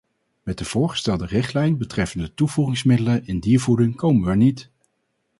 Met de voorgestelde richtlijn betreffende toevoegingsmiddelen in diervoeding komen we er niet.